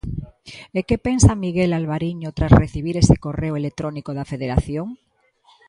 E que pensa Miguel Alvariño tras recibir ese correo electrónico da Federación?